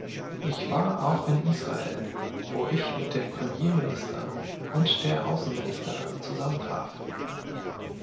Ich war auch in Israel, wo ich mit dem Premierminister und der Außenministerin zusammentraf.